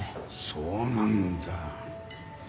そうなんだ。